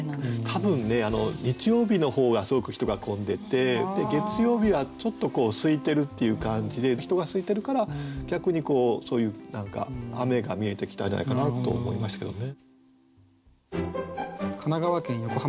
多分ね日曜日の方がすごく人が混んでてで月曜日はちょっとすいてるっていう感じで人がすいてるから逆にそういう雨が見えてきたんじゃないかなと思いましたけどね。